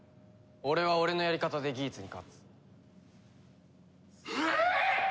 俺は俺のやり方でギーツに勝つ。ええ！？